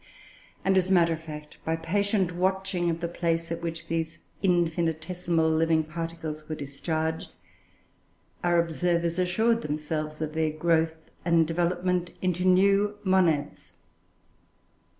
And, as a matter of fact, by patient watching of the place at which these infinitesimal living particles were discharged, our observers assured themselves of their growth and development into new monads.